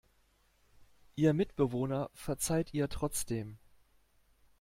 Ihr Mitbewohner verzeiht ihr trotzdem.